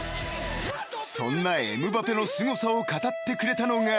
［そんなエムバペのすごさを語ってくれたのが］